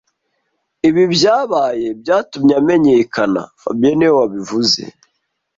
Ibi byabaye byatumye amenyekana fabien niwe wabivuze